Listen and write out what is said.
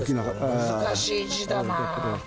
難しい字だな。